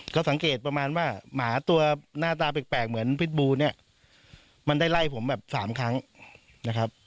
ก็สังเกตประมาณว่าหมาตัวหน้าตาแปลกเหมือนพิษบูเนี่ยมันได้ไล่ผมแบบสามครั้งนะครับ